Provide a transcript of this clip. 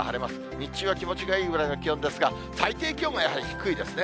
日中は気持ちのいいくらいの気温ですが、最低気温がやはり低いですね。